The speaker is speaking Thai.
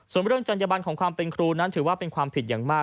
ส่งไปเรื่องการจังหยาบันห่วงของความเป็นครูิดอย่างมาก